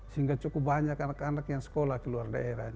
sehingga cukup banyak anak anak yang sekolah di luar